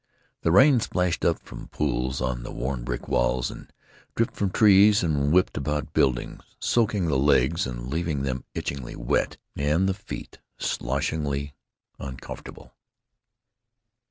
The rain splashed up from pools on the worn brick walks and dripped from trees and whipped about buildings, soaking the legs and leaving them itchingly wet and the feet sloshily uncomfortable.